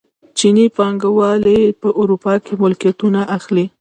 چیني پانګوال په اروپا کې ملکیتونه اخلي.